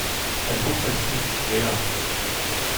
Dein Rucksack ist viel zu schwer.